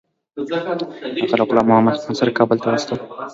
هغه له غلام محمدخان سره کابل ته واستاوه.